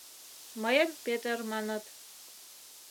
— Мыйым Петер маныт.